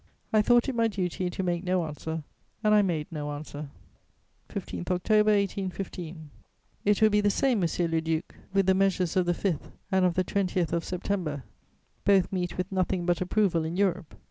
"I thought it my duty to make no answer, and I made no answer." "15 October 1815. .......... "It will be the same, monsieur le duc, with the measures of the 5th and of the 20th of September: both meet with nothing but approval in Europe.